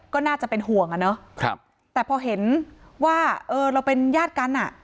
ก็น่าจะเป็นห่วงแต่พอเห็นว่าเราเป็นญาติกันน่ะ